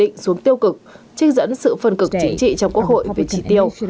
hạ viện sẽ đưa ra một số tiêu cực trích dẫn sự phần cực chính trị trong quốc hội về trí tiêu